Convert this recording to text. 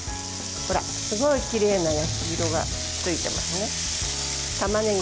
すごい、きれいな焼き色がついていますね。